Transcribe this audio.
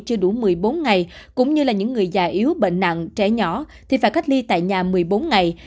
chưa đủ một mươi bốn ngày cũng như là những người già yếu bệnh nặng trẻ nhỏ thì phải cách ly tại nhà một mươi bốn ngày